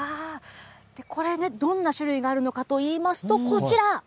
これね、どんな種類があるのかといいますと、こちら。